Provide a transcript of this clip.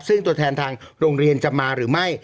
ซึ่งตัวแทนทางโรงเรียนจะมาหรือไม่